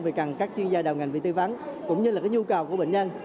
vì cần các chuyên gia đầu ngành tư vấn cũng như là cái nhu cầu của bệnh nhân